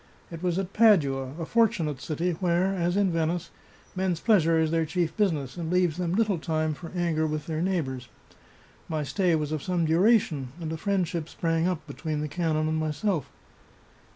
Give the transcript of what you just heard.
It was at Padua — a fortunate city, where, as in Venice, men's pleasure is their chief business, and leaves them little time for anger with their neighbours. My stay was of some duration, and a friendship sprang up between the canon and myself.